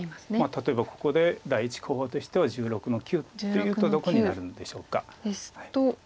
例えばここで第１候補としては１６の九っていうとどこになるんでしょうか。